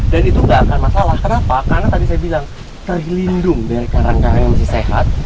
dan itu nggak akan masalah kenapa karena tadi saya bilang terlindung dari karang kangang yang masih sehat